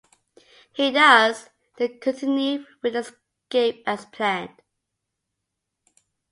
He does, and they continue with the escape as planned.